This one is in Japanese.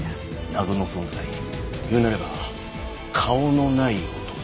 謎の存在言うなれば顔のない男。